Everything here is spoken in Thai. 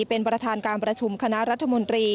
เป็นประธานการประชุมคณะรัฐมนตรี